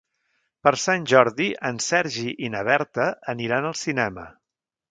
Per Sant Jordi en Sergi i na Berta aniran al cinema.